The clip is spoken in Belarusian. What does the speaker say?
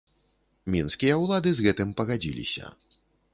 Мінскія ўлады з гэтым пагадзіліся.